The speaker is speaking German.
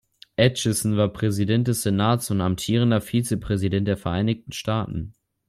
Atchison war Präsident des Senats und amtierender Vize-Präsident der Vereinigten Staaten.